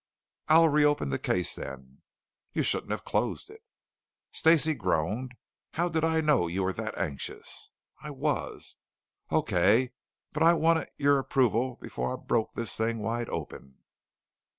"I'll re open the case, then." "You shouldn't have closed it." Stacey groaned. "How did I know you were that anxious?" "I was." "Okay. But I wanted your approval before I broke this thing wide open."